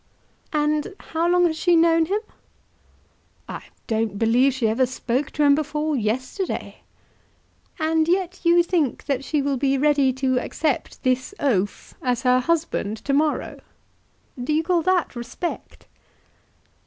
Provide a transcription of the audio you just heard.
"And how long has she known him?" "I don't believe she ever spoke to him before yesterday." "And yet you think that she will be ready to accept this oaf as her husband to morrow! Do you call that respect?"